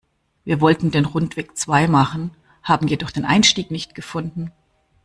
Wir wollten den Rundweg zwei machen, haben jedoch den Einstieg nicht gefunden.